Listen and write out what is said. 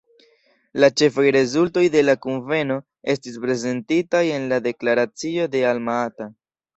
La ĉefaj rezultoj de la kunveno estis prezentitaj en la deklaracio de Alma-Ata.